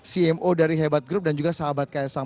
cmo dari hebat group dan juga sahabat ks ang